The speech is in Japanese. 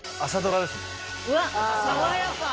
うわ爽やか。